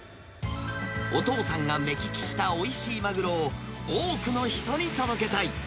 お父さんが目利きしたおいしいマグロを多くの人に届けたい。